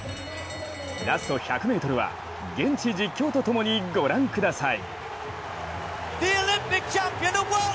ラスト１００ｍは現地実況と共にご覧ください。